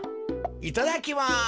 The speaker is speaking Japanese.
いただきます。